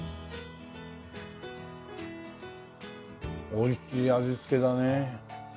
おいしい味付けだね。